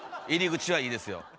入り口はいいですよ。